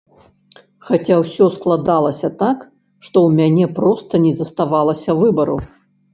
Хаця ўсё складалася так, што ў мяне проста не заставалася выбару.